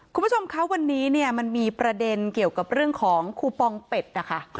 คุณผู้ชมคะวันนี้เนี่ยมันมีประเด็นเกี่ยวกับเรื่องของคูปองเป็ดนะคะ